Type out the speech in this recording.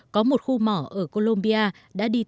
có một khu mỏ ở colombia đã đi tăng